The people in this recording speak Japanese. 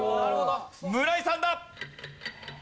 村井さんだ。